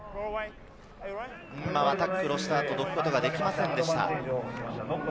タックルをした後、どくことができませんでした。